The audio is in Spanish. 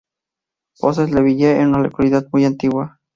Fosses-la-Ville es una localidad muy antigua.